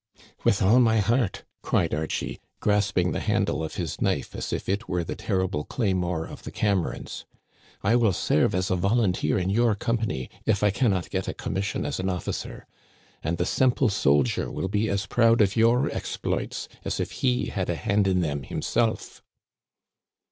With all my heart," cried Archie, grasping the han dle of his knife as if it were the terrible claymore of the Camerons. " I will serve as a volunteer in your com pany, if I can not get a commission as an officer ; and the simple soldier will be as proud of your exploits as if he had a hand in them himself."